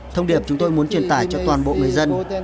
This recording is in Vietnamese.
thông điệp chúng tôi muốn truyền tải cho toàn bộ người dân